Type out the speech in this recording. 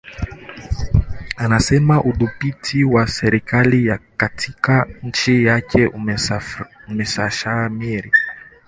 anasema udhibiti wa serikali katika nchi yake umeshamiri